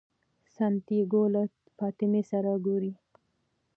سانتیاګو له فاطمې سره ګوري.